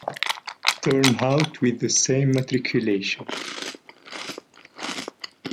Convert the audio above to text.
Turnhout with the same matriculation.